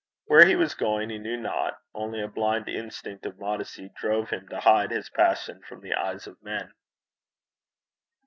Where he was going he knew not, only a blind instinct of modesty drove him to hide his passion from the eyes of men.